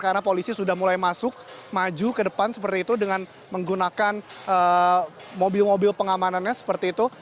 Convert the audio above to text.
karena polisi sudah mulai masuk maju ke depan seperti itu dengan menggunakan mobil mobil pengamanannya seperti itu